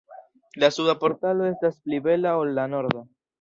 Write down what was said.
La suda portalo esta pli bela ol la norda.